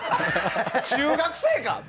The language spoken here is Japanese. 中学生か！